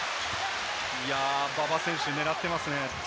馬場選手、狙ってますね。